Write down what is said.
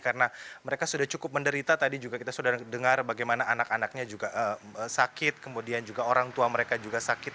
karena mereka sudah cukup menderita tadi juga kita sudah dengar bagaimana anak anaknya juga sakit kemudian juga orang tua mereka juga sakit